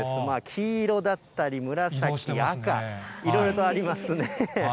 黄色だったり、紫、赤、いろいろとありますね。